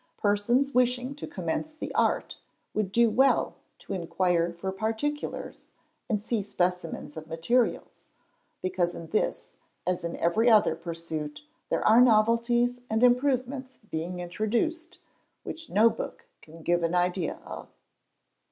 Persons wishing to commence the art would do well to inquire for particulars, and see specimens of materials; because in this, as in every other pursuit, there are novelties and improvements being introduced, which no book can give an idea of.